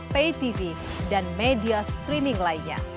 pay tv dan media streaming lainnya